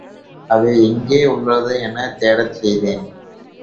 அவை எங்கே உள்ளன எனத் தேடச் செய்தான்.